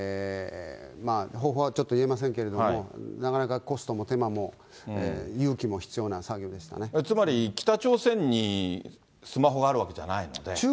方法はちょっと言えませんけれども、なかなかコストも手間も、つまり、北朝鮮にスマホがあるわけじゃないので。